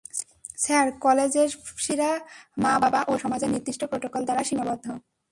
Sir, কলেজের শিক্ষার্থীরা মা-বাবা ও সমাজের নির্দিষ্ট প্রটোকল দ্বারা সীমাবদ্ধ।